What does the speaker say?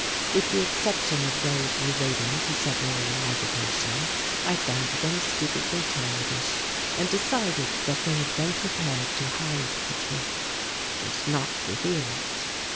With the exception of those relating to submarine navigation, I found them stupidly childish and decided that they had been prepared to hide the truth and not reveal it.